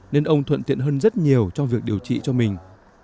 nên ông thuận tiện hơn rất nhiều trong việc điều trị cho mình